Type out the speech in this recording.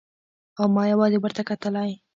او ما يوازې ورته کتلای.